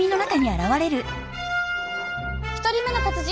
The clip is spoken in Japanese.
１人目の達人！